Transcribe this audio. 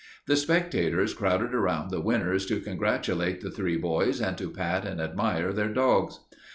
The spectators crowded around the winners to congratulate the three boys and to pat and admire their dogs.